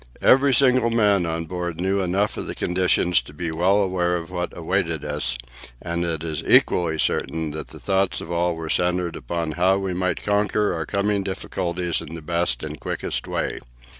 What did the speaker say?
Every single man on board knew enough of the conditions to be well aware of what awaited us, and it is equally certain that the thoughts of all were centred upon how we might conquer our coming difficulties in the best and quickest way.